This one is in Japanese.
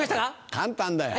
簡単だよ。